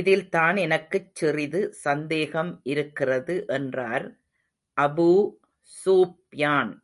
இதில்தான் எனக்குச் சிறிது சந்தேகம் இருக்கிறது என்றார் அபூ ஸுப்யான்.